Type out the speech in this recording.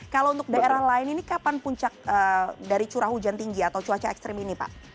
kalau untuk daerah lain ini kapan puncak dari curah hujan tinggi atau cuaca ekstrim ini pak